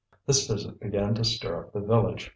This visit began to stir up the village.